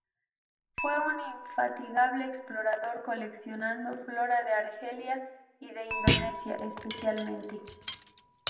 Fue un infatigable explorador, coleccionando flora de Argelia y de Indonesia, especialmente.